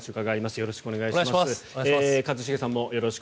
よろしくお願いします。